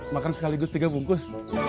makan sekaligus tiga bungkus